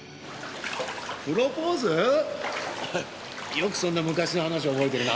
よくそんな昔の話覚えてるな。